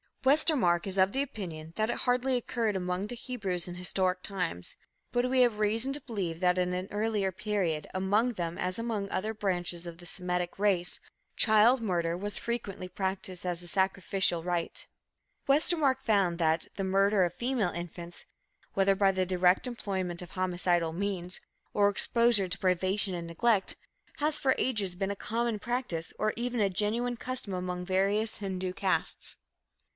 Westermark is of the opinion that it "hardly occurred among the Hebrews in historic times. But we have reason to believe that at an earlier period, among them, as among other branches of the Semitic race, child murder was frequently practiced as a sacrificial rite." Westermark found that "the murder of female infants, whether by the direct employment of homicidal means, or exposure to privation and neglect, has for ages been a common practice or even a genuine custom among various Hindu castes."